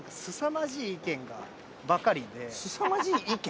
すさまじい意見？